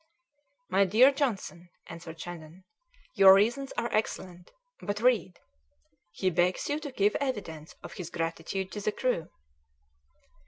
"My dear Johnson," answered Shandon, "your reasons are excellent, but read 'he begs you to give evidence of his gratitude to the crew.'"